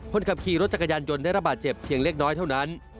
คนขับขี่รถจักรยานยนต์ได้ระบาดเจ็บเพียงเล็กน้อยเท่านั้น